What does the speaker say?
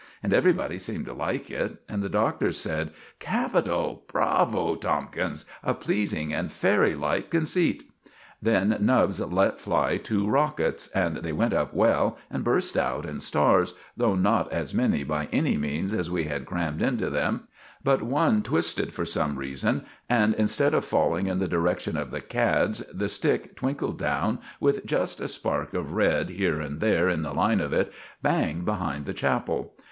And everybody seemed to like it; and the Doctor said: "Capital! Bravo, Tomkins a pleasing and fairy like conceit!" Then Nubbs let fly two rockets, and they went up well and burst out in stars, though not as many by any means as we had crammed into them; but one twisted for some reason, and, instead of falling in the direction of the cads, the stick twinkled down, with just a spark of red here and there in the line of it, bang behind the chapel.